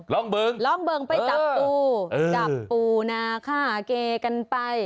ลองเบิงร้องเบิงไปจับปูจับปูนาฆ่าเกกันไป